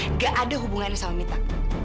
nggak ada hubungannya sama mita